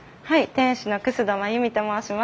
店主の楠戸まゆみと申します。